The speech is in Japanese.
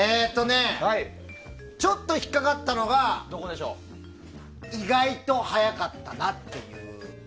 ちょっと引っかかったのが意外と早かったなという。